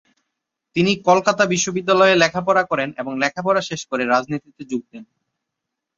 তিনি কলকাতা বিশ্ববিদ্যালয়ে লেখাপড়া করেন এবং লেখাপড়া শেষ করে রাজনীতিতে যোগ দেন।